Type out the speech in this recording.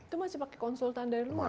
itu masih pakai konsultan dari luar